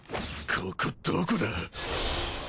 ここどこだ？